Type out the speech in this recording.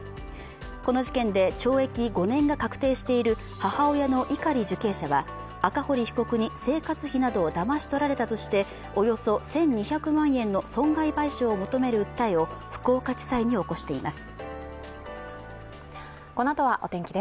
この事件で、懲役５年が確定している母親の碇受刑者は赤堀被告に生活費などをだまし取られたとして、およそ１２００万円の損害賠償を求める訴えを福岡地裁に起こしています。